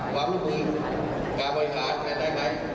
หวังลูกมือการบริการแก้ไขได้ไหม